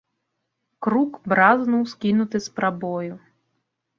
Крук бразнуў, скінуты з прабою.